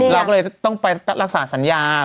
เราก็เลยต้องไปรักษาสัญญา